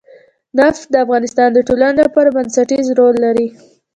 نفت د افغانستان د ټولنې لپاره بنسټيز رول لري.